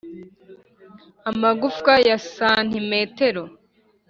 amagufwa ya santimetero